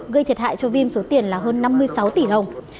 gây thiệt hại cho vim số tiền là hơn năm mươi sáu tỷ đồng